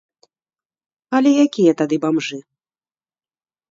Але якія тады бамжы?